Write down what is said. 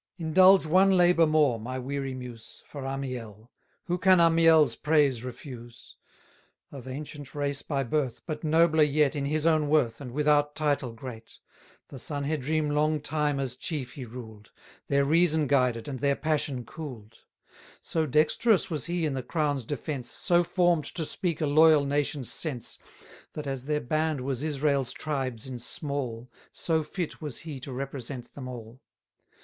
Indulge one labour more, my weary muse, For Amiel: who can Amiel's praise refuse? Of ancient race by birth, but nobler yet 900 In his own worth, and without title great: The Sanhedrim long time as chief he ruled, Their reason guided, and their passion cool'd: So dexterous was he in the crown's defence, So form'd to speak a loyal nation's sense, That, as their band was Israel's tribes in small, So fit was he to represent them all.